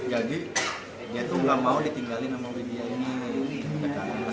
jadi dia itu tidak mau ditinggalin oleh widya ini